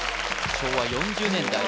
昭和４０年代